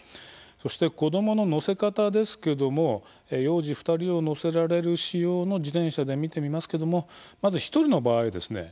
そして子供の乗せ方ですけども幼児２人を乗せられる仕様の自転車で見てみますけどもまず１人の場合はですね